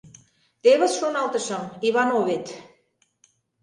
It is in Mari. Тевыс, шоналтышым, Ивановет!